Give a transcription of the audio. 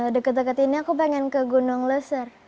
deket deket ini aku pengen ke gunung leser